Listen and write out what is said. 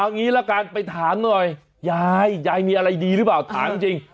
งี้ละกันไปถามหน่อยยายยายมีอะไรดีหรือเปล่าถามจริง